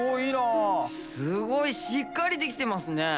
すごいしっかりできてますね。